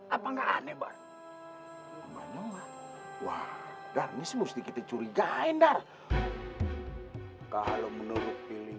apa nggak anebar banyak wah dari semestinya kita curiga endar kalau menurut pilih